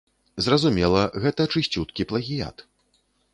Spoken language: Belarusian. Зразумела, гэта чысцюткі плагіят.